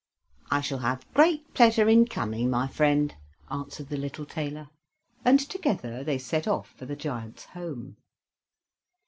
"I shall have great pleasure in coming, my friend," answered the little tailor, and together they set off for the giant's home.